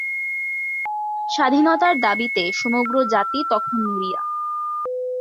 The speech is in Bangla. স্বাধীনতার দাবিতে সমগ্র জাতি তখন মরিয়া।